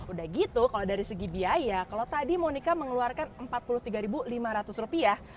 udah gitu kalau dari segi biaya kalau tadi monika mengeluarkan empat puluh tiga lima ratus rupiah